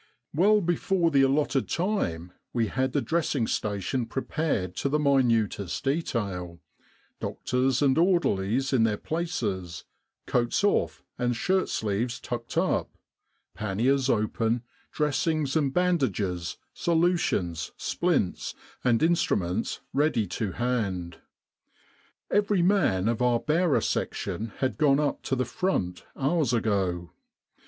"Well before the allotted time we had the dressing station prepared to the minutest detail, doctors and orderlies in their places, coats off and shirt sleeves tucked up ; panniers open, dressings and bandages, solutions, splints, and instruments ready to hand. Every man of our bearer section had gone up to the front hours ago.